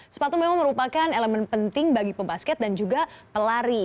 sepatu memang merupakan elemen penting bagi pebasket dan juga pelari